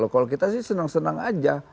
kalau kita sih senang senang aja